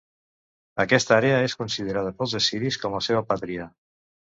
Aquesta àrea es considerada pels assiris com la seva 'pàtria'.